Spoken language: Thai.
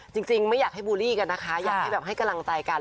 จริงไม่อยากให้บุรีกันนะคะอยากให้กำลังใจกัน